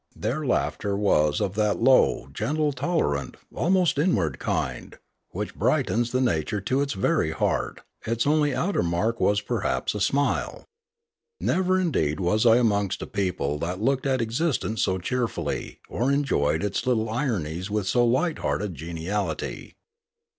Their laughter was of that low, gentle, 374 Limanora tolerant, almost inward, kind, which brightens the na ture to its very heart; its only outer mark was perhaps a smile. Never indeed was I amongst a people that looked at existence so cheerfully or enjoyed its little ironies with so light hearted a geniality.